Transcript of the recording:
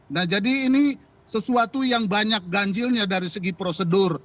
nah jadi ini sesuatu yang banyak ganjilnya dari segi prosedur